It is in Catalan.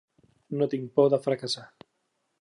No tinc por de fracassar.